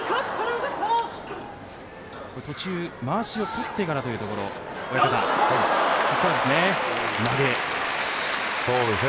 途中、まわしを取ってからというところ親方、ここですね。